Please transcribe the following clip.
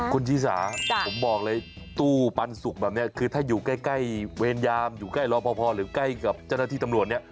คุณชีสาผมบอกเลยตู้ปันสุกแบบนี้คือถ้าอยู่ใกล้เวรยามอยู่ใกล้รอพอหรือใกล้กับเจ้าหน้าที่ตำรวจเนี่ย